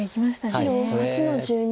白８の十二。